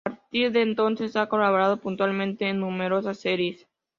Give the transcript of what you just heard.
A partir de entonces ha colaborado puntualmente en numerosas series.